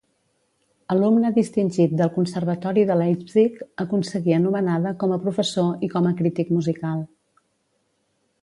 Alumne distingit del Conservatori de Leipzig, aconseguí anomenada com a professor i com acrític musical.